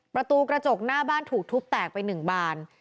ประตูกระจกหน้าบ้านถูกทุบแตกไป๑บาน